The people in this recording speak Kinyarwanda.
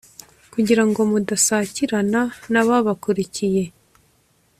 kugira ngo mudasakirana n'ababakurikiye